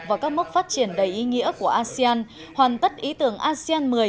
vào các mốc phát triển đầy ý nghĩa của asean hoàn tất ý tưởng asean một mươi